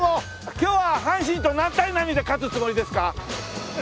今日は阪神と何対何で勝つつもりですか？